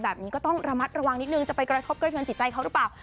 แบบนี้ก็ต้องระมัดระวังนิดนึงจะไปกระทบกระเทือนจิตใจเขาหรือเปล่า